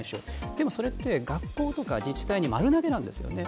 でもそれって、学校とか自治体に丸投げなんですよね。